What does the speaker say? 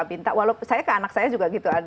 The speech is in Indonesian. minta walaupun saya ke anak saya juga gitu